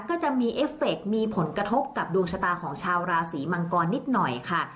ก็จะมีเอฟเฟคมีผลกระทบกับดวงชะตาของชาวราศีมังกรนิดหน่อยค่ะ